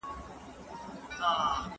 په ګرځېدو کي د چا مخه نه نیول کېږي.